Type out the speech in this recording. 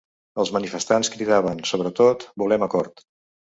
Els manifestants cridaven, sobretot, ‘volem acord’.